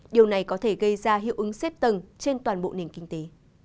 điều này có thể gây ra hiệu ứng xếp tầng trên toàn bộ nền kinh tế